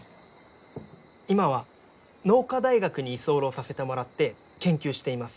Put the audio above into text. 今は農科大学に居候させてもらって研究しています。